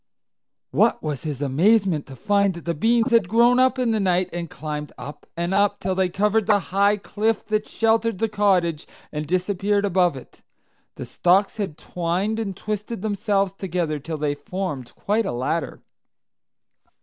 What was his amazement to find that the beans had grown up in the night, and climbed up and up till they covered the high cliff that sheltered the cottage, and disappeared above it! The stalks had twined and—twisted themselves together till they formed quite a ladder.